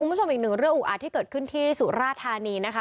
คุณผู้ชมอีกหนึ่งเรื่องอุอาจที่เกิดขึ้นที่สุราธานีนะคะ